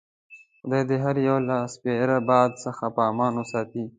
خدای دې هر یو له سپیره باد څخه په امان وساتي.